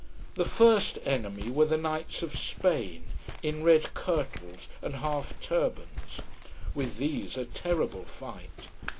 The first enemy were the knights of Spain, in red kirtles and half turbans. With these a terrible fight.